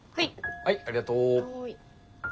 はいありがとう。